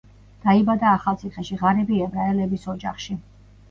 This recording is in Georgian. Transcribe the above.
დაიბადა ახალციხეში, ღარიბი ებრაელების ოჯახში.